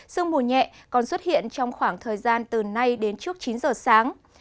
sương mù nhẹ còn xuất hiện trong khoảng thời gian từ nay đến trước chín giờ sáng